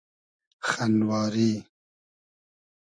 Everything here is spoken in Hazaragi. خئنواری